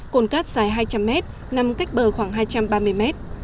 cồn cát dài hai trăm linh mét nằm cách bờ khoảng hai trăm ba mươi mét